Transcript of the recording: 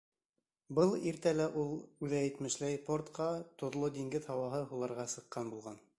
Был иртәлә ул, үҙе әйтмешләй, портҡа тоҙло диңгеҙ һауаһы һуларға сыҡҡан булған.